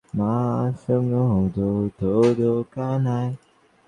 তিনি ফরাসি বিপ্লবের পর থেকে ফরাসি রাষ্ট্রের দীর্ঘতম রাষ্ট্র প্রধান ছিলেন।